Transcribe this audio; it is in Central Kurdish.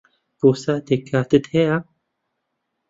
بۆ ساتێک کاتت ھەیە؟